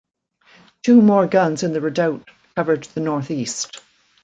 Two more guns in the redoubt covered the north-east.